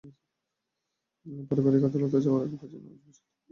পারিবারিক আদালতে যাওয়ার আগে প্রয়োজনে আইনজীবীর মাধ্যমে একটি নোটিশ পাঠানো যেতে পারে।